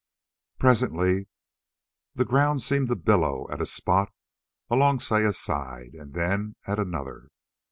Presently the ground seemed to billow at a spot along Saya's side and then at another.